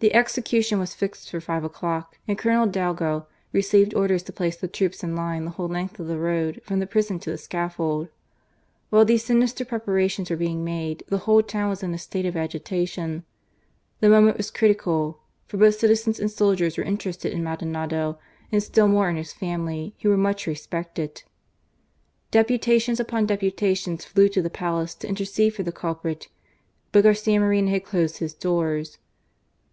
The execution was fixed for five o'clock, and j Colonel Dalgo received orders to place the troops ia line the whole length of the road, from the prison' to the scaffold. While these sinister preparations were being made, the whole town was in a state of agitation. The moment was critical; for botb citizens and soldiers were interested in Maldonado,. and still more in his family, who were much Deputations upon deputations flew to the Palace I to intercede for the culprit, but Garcia Moreno had I closed his doors.